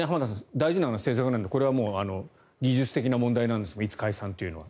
大事なのは政策なのでこれは技術的な問題なんですがいつ解散というのは。